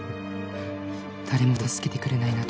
「誰も助けてくれない中」